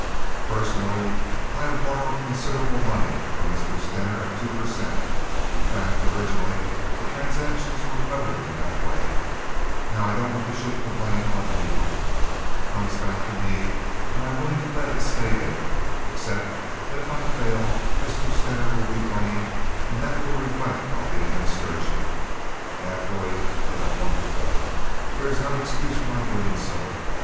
Personally I have borrowed considerable money from Mr. Stener at two per cent. In fact, originally the transactions were covered in that way. Now I don't want to shift the blame on any one. It comes back to me and I am willing to let it stay there, except that if I fail Mr. Stener will be blamed and that will reflect on the administration. Naturally, I don't want to fail. There is no excuse for my doing so.